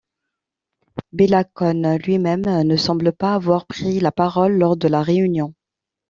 Béla Kun lui-même ne semble pas avoir pris la parole lors de la réunion.